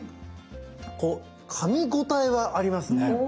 こうかみ応えはありますね。